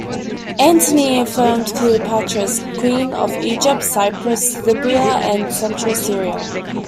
Antony affirmed Cleopatra as queen of Egypt, Cyprus, Libya and central Syria.